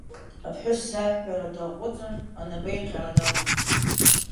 Аԥҳәыс аҳәҳәара дааҟәыҵын анапеинҟьара далагеит.